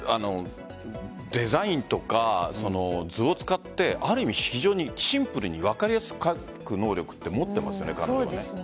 デザインとか図を使ってある意味、非常にシンプルに分かりやすく書く能力は持ってますよね。